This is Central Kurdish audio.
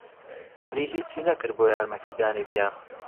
عەلی ھیچی نەکرد بۆ یارمەتیدانی ڤیان.